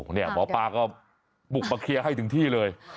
หมอปลาก็บุกมาเคลียร์ให้ถึงที่เลย